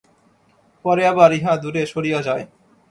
পরে আবার ইহা দূরে সরিয়া যায়।